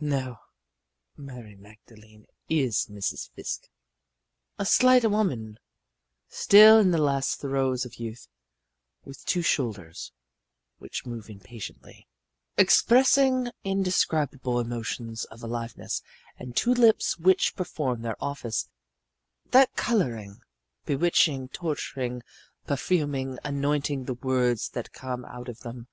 No, Mary Magdalene is Mrs. Fiske, a slight woman still in the last throes of youth, with two shoulders which move impatiently, expressing indescribable emotions of aliveness and two lips which perform their office that of coloring, bewitching, torturing, perfuming, anointing the words that come out of them.